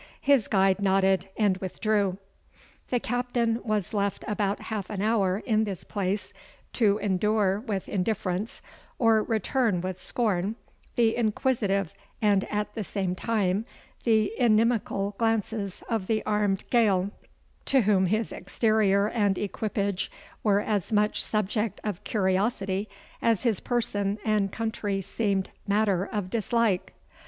His guide nodded, and withdrew. The Captain was left about half an hour in this place, to endure with indifference, or return with scorn, the inquisitive, and, at the same time, the inimical glances of the armed Gael, to whom his exterior and equipage were as much subject of curiosity, as his person and country seemed matter of dislike.